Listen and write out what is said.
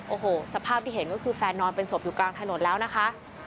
โอ้โหสภาพที่เห็นก็คือแฟนนอนเป็นศพอยู่กลางถนนแล้วนะคะ